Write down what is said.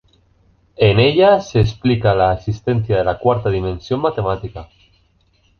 En ella se explica la existencia de la cuarta dimensión matemática.